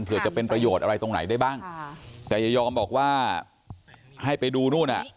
เพื่อจะเป็นประโยชน์อะไรตรงไหนได้บ้างแต่อย่ายอมบอกว่าให้ไปดูนู่นอ่ะ